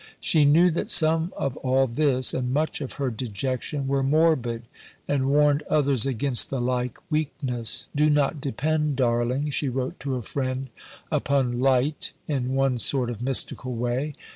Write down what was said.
She knew that some of all this, and much of her dejection, were morbid, and warned others against the like weakness. "Do not depend, darling," she wrote to a friend, "upon 'light' in one sort of mystical way.